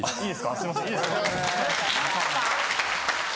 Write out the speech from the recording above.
すいません。